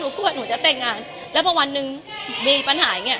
หนูพูดว่าหนูจะแต่งงานแล้วพอวันนึงมีปัญหาอย่างเงี้ย